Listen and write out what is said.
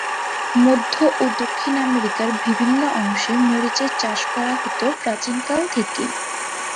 মধ্য ও দক্ষিণ আমেরিকার বিভিন্ন অংশে মরিচের চাষ করা হতো প্রাচীন কাল থেকেই।